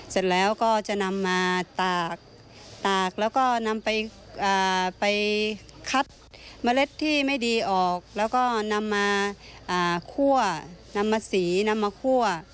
เสร็จแล้วก็จะนำมาตากตากแล้วก็นำไปคัดเมล็ดที่ไม่ดีออกแล้วก็นำมาคั่วนำมาสีนำมาคั่ว